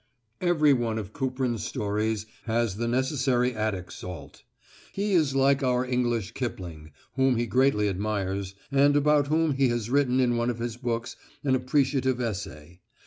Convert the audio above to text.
Every one of Kuprin's stories has the necessary Attic salt. He is like our English Kipling, whom he greatly admires, and about whom he has written in one of his books an appreciative essay.